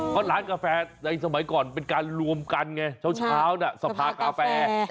เพราะร้านกาแฟในสมัยก่อนเป็นการรวมกันไงเช้าน่ะสภากาแฟ